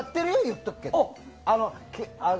言っとくけど。